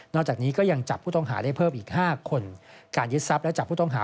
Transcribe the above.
จากนี้ก็ยังจับผู้ต้องหาได้เพิ่มอีก๕คนการยึดทรัพย์และจับผู้ต้องหา